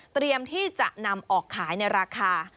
เตรียมที่จะนำออกขายในราคา